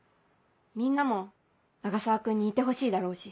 みんなも永沢君にいてほしいだろうし。